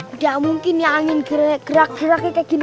udah mungkin ya angin gerak geraknya kayak gini